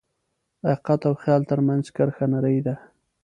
د حقیقت او خیال ترمنځ کرښه نری ده.